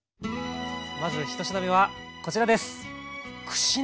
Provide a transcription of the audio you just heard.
まず１品目はこちらです。